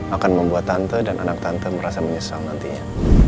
akan membuat tante dan anak tante merasa menyesal nantinya